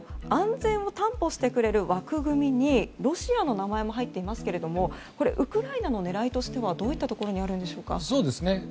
安全を担保してくれる枠組みにロシアの名前も入っていますけれどもウクライナの狙いとしてはどういったところにあるんでしょうか。